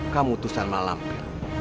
kamu tusan mak lampir